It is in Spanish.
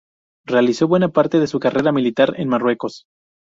Realizó buena parte de su carrera militar en Marruecos.